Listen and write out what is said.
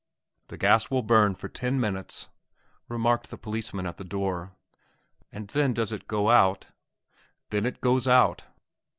"The gas will burn for ten minutes," remarked the policeman at the door. "And then does it go out?" "Then it goes out!"